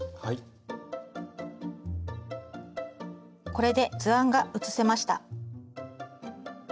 これで図案が写せました。